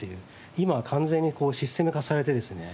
今は完全にこうシステム化されてですね